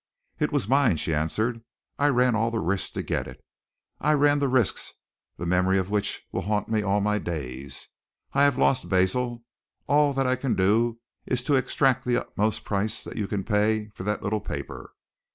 "It was mine," she answered. "I ran all the risk to get it. I ran risks the memory of which will haunt me all my days. I have lost Basil. All that I can do is to exact the utmost price that you can pay for that little paper."